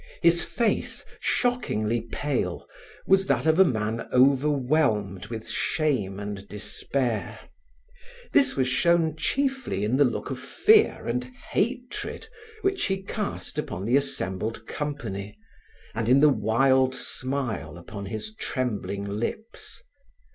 His face, shockingly pale, was that of a man overwhelmed with shame and despair. This was shown chiefly in the look of fear and hatred which he cast upon the assembled company, and in the wild smile upon his trembling lips.